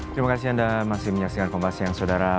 terima kasih anda masih menyaksikan pembasian saudara